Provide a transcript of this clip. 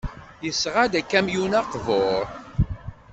Yesɣa-d akamyun aqbur.